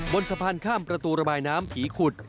บนสะพานข้ามประตูระบายน้ำผีขุด